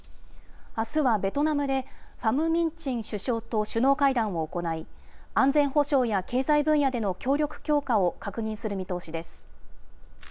あすはベトナムで、ファム・ミン・チン首相と首脳会談を行い、安全保障や経済分野での協力強化を確認する見通しです。